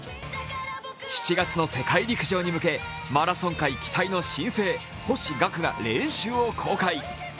７月の世界陸上に向け、マラソン界期待の新星、星岳が練習を公開。